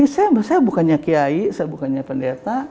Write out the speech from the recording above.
saya bukannya kiai saya bukannya pendeta